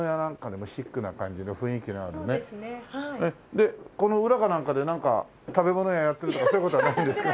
でこの裏かなんかで食べ物屋やってるとかそういう事はないんですか？